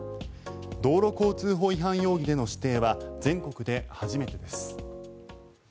道路交通法違反容疑での指定は全国で初めてです。